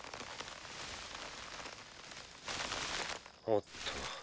おっと。